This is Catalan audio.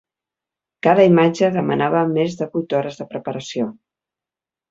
Cada imatge demanava més de vuit hores de preparació.